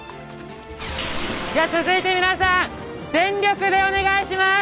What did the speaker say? じゃあ続いて皆さん全力でお願いします！